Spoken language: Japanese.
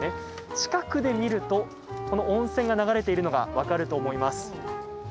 近くで見ると、この温泉が流れているのが分かると思います。